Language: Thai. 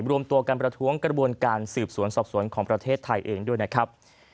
รวมตัวกันประท้วงกระบวนการสืบสวนสอบสวนของประเทศไทยเองด้วยนะครับ